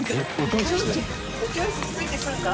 お教室ついてくるか？